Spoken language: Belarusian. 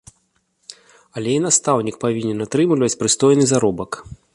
Але і настаўнік павінен атрымліваць прыстойны заробак.